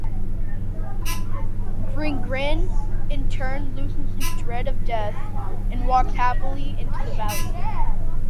Gringrin in turn loses his dread of death, and walks happily into the Valley.